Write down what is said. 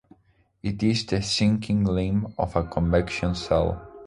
It is the "sinking" limb of a convection cell.